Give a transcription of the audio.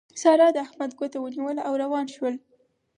سارا د احمد ګوته ونيوله او روان شول.